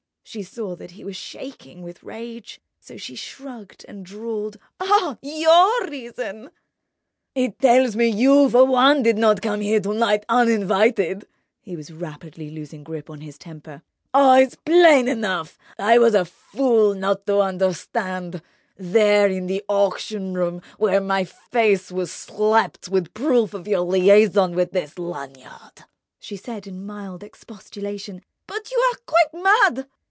She saw that he was shaking with rage; so she shrugged and drawled: "Oh, your reason—!" "It tells me you for one did not come here to night uninvited." He was rapidly losing grip on his temper. "Oh, it's plain enough! I was a fool not to understand, there in the auction room, when my face was slapped with proof of your liaison with this Lanyard!" She said in mild expostulation: "But you are quite mad."